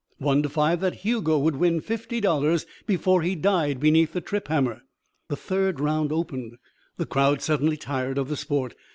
One to five that Hugo would win fifty dollars before he died beneath the trip hammer. The third round opened. The crowd suddenly tired of the sport.